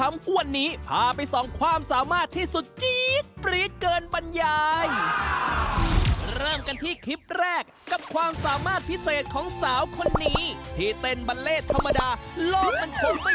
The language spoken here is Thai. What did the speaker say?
มีแววเหรอมีแววติดตามเลยในช่วงของตลอดข่าวคำ